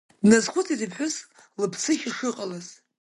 Дназхәыцит иԥҳәыс лыԥсышьа шыҟалаз.